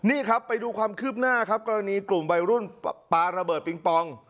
นี่ครับไปดูความคืบหน้าครับกรณีกลุ่มวัยรุ่นปลาระเบิดปิงปอง